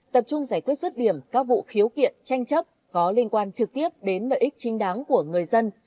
tập trung giải quyết rứt điểm các vụ khiếu kiện tranh chấp có liên quan trực tiếp đến lợi ích chính đáng của người dân